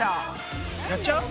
やっちゃう？